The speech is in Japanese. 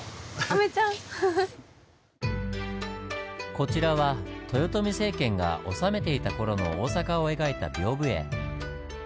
こちらは豊臣政権が治めていた頃の大阪を描いた屏風絵。